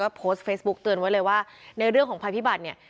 โพสต์เฟซบุ๊กเตือนไว้เลยว่าในเรื่องของภัยพิบัติเนี่ย